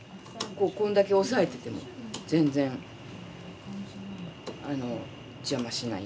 こんだけ押さえてても全然邪魔しない。